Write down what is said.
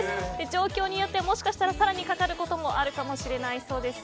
状況によってはもしかしたら更にかかることもあるかもしれないそうです。